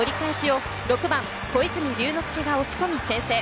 翔の折り返しを６番・小泉龍之介が押し込み先制。